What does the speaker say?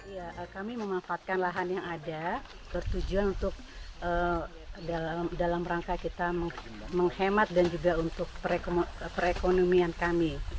ya kami memanfaatkan lahan yang ada bertujuan untuk dalam rangka kita menghemat dan juga untuk perekonomian kami